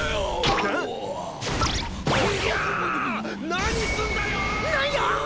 何すんだよおお！